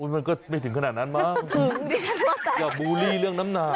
มันก็ไม่ถึงขนาดนั้นมั้งอย่าบูลลี่เรื่องน้ำหนา